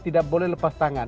tidak boleh lepas tangan